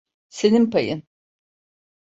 Senin payın.